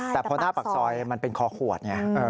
แต่พอหน้าปากซอยมันเป็นคอขวดไง